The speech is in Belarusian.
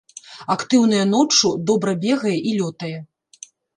Актыўная ноччу, добра бегае і лётае.